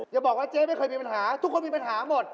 อย่าบอกว่าเจ๊ไม่เคยมีปัญหาทุกคนมีปัญหาหมด